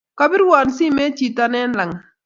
Kapirwon simot chiton an langat